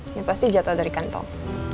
ini pasti jatuh dari kantong